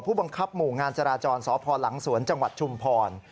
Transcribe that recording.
ผู้บังคับหมู่งานจราจรสพหลังสวนจังหวัดชุมพร